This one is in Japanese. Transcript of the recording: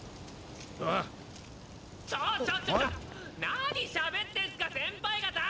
何しゃべってんスか先輩方！